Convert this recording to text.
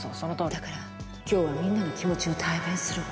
だから今日はみんなの気持ちを代弁するわ。